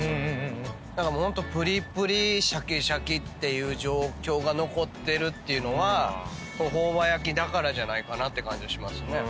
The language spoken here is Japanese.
ホントぷりぷりシャキシャキっていう状況が残ってるのは朴葉焼きだからじゃないかなって感じはしますね。